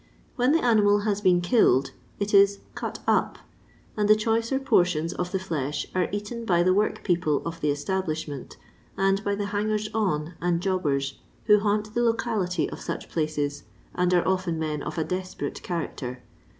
When the animal has been killed, it is " cut up," and the choicer portions of the flesh are eaten by the work people of the establishment, and by the hangers on and jobbers who haunt the locality of such places, and are often men of a desperate character.